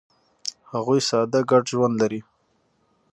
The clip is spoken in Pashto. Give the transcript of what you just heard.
هغوی ساده ګډ ژوند لري.